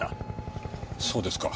そうですか。